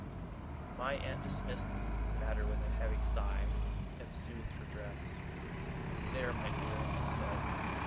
My aunt dismissed the matter with a heavy sigh, and smoothed her dress. 'There, my dear!' she said.